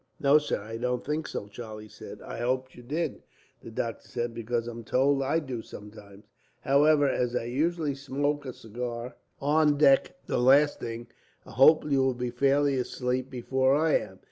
"No, sir, I don't think so," Charlie said. "I hoped you did," the doctor said, "because I'm told I do, sometimes. However, as I usually smoke a cigar on deck, the last thing, I hope you will be fairly asleep before I am.